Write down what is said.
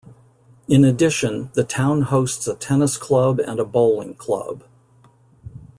In addition the town hosts a tennis club and a bowling club.